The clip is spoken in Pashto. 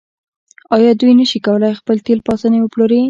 آیا دوی نشي کولی خپل تیل په اسانۍ وپلوري؟